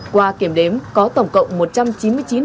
qua kiểm đếm có tổng cộng một trăm linh triệu đồng